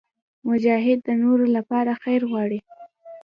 مجاهد د نورو لپاره خیر غواړي.